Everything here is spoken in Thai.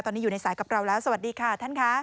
ตอนนี้อยู่ในสายกับเราแล้วสวัสดีค่ะท่านค่ะ